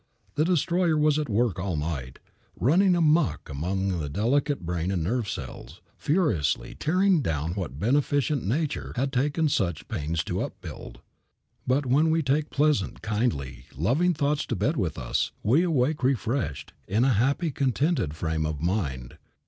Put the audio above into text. The destroyer was at work all night, running amuck among the delicate brain and nerve cells, furiously tearing down what beneficent Nature had taken such pains to upbuild. But, when we take pleasant, kindly, loving thoughts to bed with us we awake refreshed, in a happy, contented frame of mind.